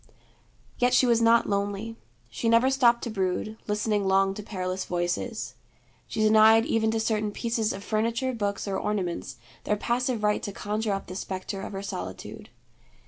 Yet she was not lonely. She never stopped to brood, listening long to perilous voices. She denied even to certain pieces of furniture, books, or ornaments, their passive right to conjure up the spectre of her solitude.